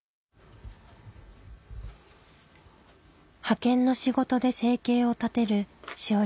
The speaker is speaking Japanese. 派遣の仕事で生計を立てる志織さん。